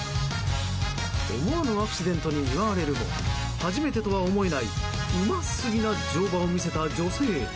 思わぬアクシデントに見舞われるも初めてとは思えないうますぎな乗馬を見せた女性。